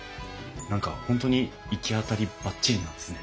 何か本当にいきあたりバッチリなんですね。